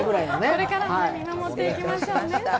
これからも見守っていきましょうね。